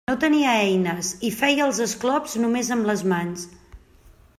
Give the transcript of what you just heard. No tenia eines, i feia els esclops només amb les mans.